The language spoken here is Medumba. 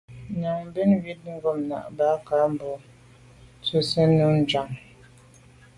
Ndiagbin ywîd ngɔ̂nɑ̀ bɑhɑ kà, mbolə, ntswənsi nə̀ jú chànŋ.